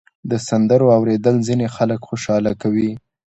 د سندرو اورېدل ځینې خلک خوشحاله کوي.